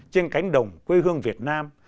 trên cánh đồng quê hương việt nam